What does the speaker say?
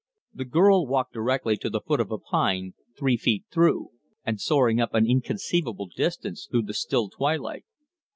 The girl walked directly to the foot of a pine three feet through, and soaring up an inconceivable distance through the still twilight.